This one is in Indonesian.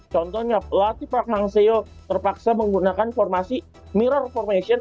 contohnya latifah mangseo terpaksa menggunakan formasi mirror formation